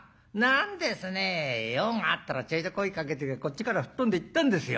用があったらちょいと声かけてくれりゃこっちから吹っ飛んで行ったんですよ。